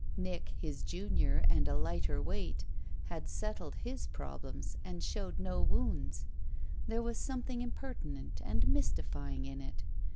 Nick, his junior and a lighter weight, had settled his problem and showed no wounds; there was something impertinent and mystifying in it.